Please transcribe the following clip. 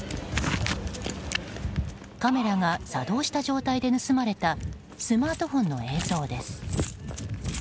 カメラが作動した状態で盗まれたスマートフォンの映像です。